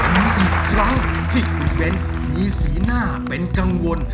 มาอีกครั้งที่คุณเบนส์มีสีหน้าเป็นกังวล